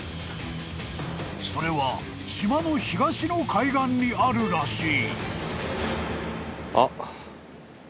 ［それは島の東の海岸にあるらしい］